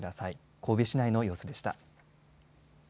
神戸市内の様子でした。